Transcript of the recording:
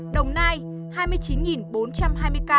đồng nai hai mươi chín bốn trăm hai mươi ca